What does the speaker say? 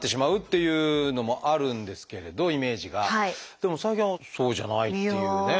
でも最近はそうじゃないっていうね。